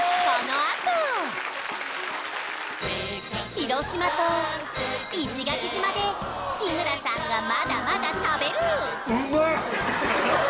広島と石垣島で日村さんがまだまだ食べる！